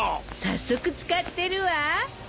早速使ってるわ。